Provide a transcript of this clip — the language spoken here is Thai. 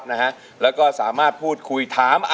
เบื่อชีวิตก็คิดอยากแต่งงาน